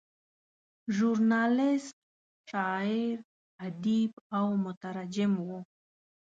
ژورنالیسټ، شاعر، ادیب او مترجم و.